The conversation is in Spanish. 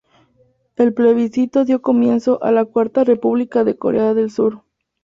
El plebiscito dio comienzo a la Cuarta República de Corea del Sur.